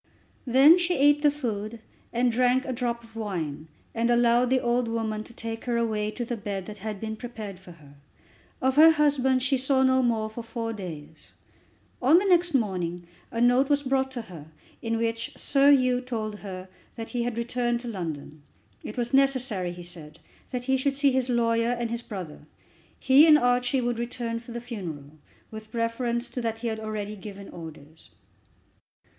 Then she eat the food, and drank a drop of wine, and allowed the old woman to take her away to the bed that had been prepared for her. Of her husband she saw no more for four days. On the next morning a note was brought to her, in which Sir Hugh told her that he had returned to London. It was necessary, he said, that he should see his lawyer and his brother. He and Archie would return for the funeral. With reference to that he had already given orders.